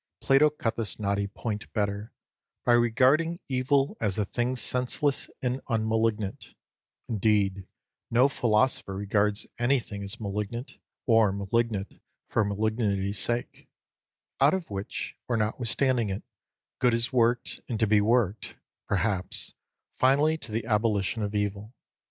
Plato cut this knotty point better, by regarding evil as a thing senseless and unmalignant (indeed no philosopher regards anything as malignant, or malignant for malignity's sake); out of which, or notwithstanding it, good is worked, and to be worked, perhaps, finally to the abolition of evil.